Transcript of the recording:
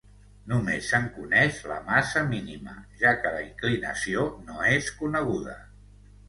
Només se'n coneix la massa mínima, ja que la inclinació no és coneguda.